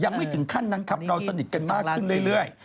ยังไม่ถึงขั้นนั้นครับเราสนิทกันมากขึ้นเรื่อย